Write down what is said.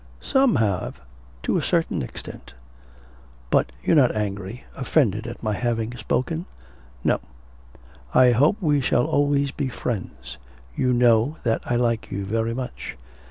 'Some have, to a certain extent.' 'But you're not angry, offended at my having spoken?' 'No; I hope we shall always be friends. You know that I like you very much.'